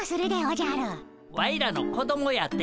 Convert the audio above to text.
ワイらの子どもやて？